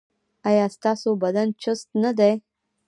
ایا ستاسو بدن چست نه دی؟